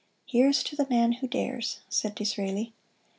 "Here's to the man who dares," said Disraeli.